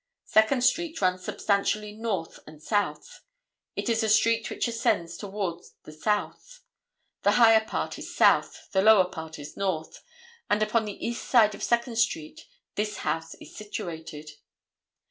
Second Street runs substantially north and south. It is a street which ascends toward the south. The higher part is south, the lower part is north, and upon the east side of Second Street this house is situated.